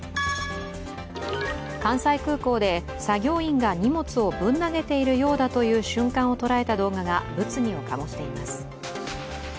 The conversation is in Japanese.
関西空港で作業員が荷物をぶん投げているようだという瞬間をとらえた動画が物議を醸しています。